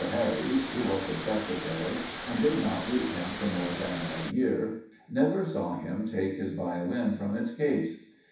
Harrys, who was his secretary, and did not leave him for more than a year, never saw him take his Violin from its case.